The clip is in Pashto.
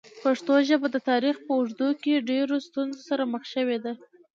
پښتو ژبه د تاریخ په اوږدو کې ډېرو ستونزو سره مخ شوې ده.